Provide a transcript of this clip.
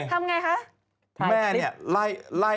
ทำอย่างไรคะ